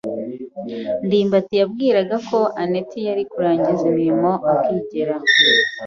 ndimbati yibwiraga ko anet yari kurangiza imirimo akigera.